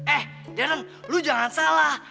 eh ren lo jangan salah